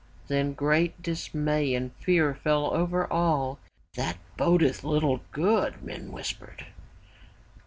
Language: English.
Then great dismay and fear fell over all. ''That bodeth little good,'' men whispered.